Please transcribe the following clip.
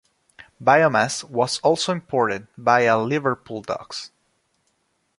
Biomass was also imported via Liverpool Docks.